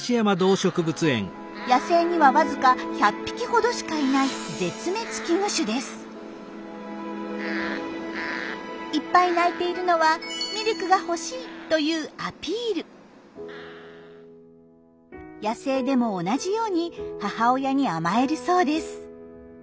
野生にはわずか１００匹ほどしかいないいっぱい鳴いているのは野生でも同じように母親に甘えるそうです。